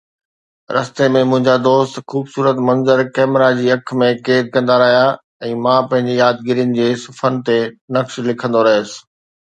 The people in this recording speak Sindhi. رستي ۾، منهنجا دوست خوبصورت منظر ڪئميرا جي اک ۾ قيد ڪندا رهيا ۽ مان پنهنجي يادگيرين جي صفحن تي نقش لکندو رهيس.